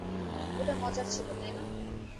ওটা মজার ছিল, তাই না?